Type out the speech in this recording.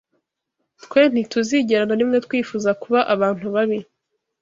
Twe ntituzigera na rimwe twifuza kuba abantu babi